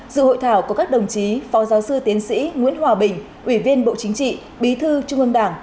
dự hội thảo có các đồng chí phó giáo sư tiến sĩ nguyễn hòa bình ủy viên bộ chính trị bí thư trung ương đảng